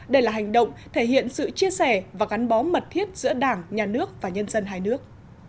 đây là hành động thể hiện sự chia sẻ và gắn bó mật thiết giữa đảng nhà nước và nhân dân hai nước